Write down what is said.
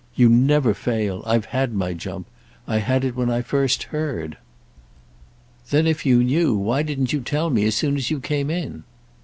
"You never fail! I've had my jump. I had it when I first heard." "Then if you knew why didn't you tell me as soon as you came in?"